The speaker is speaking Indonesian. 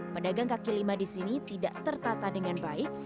pedagang kaki lima disini tidak tertata dengan baik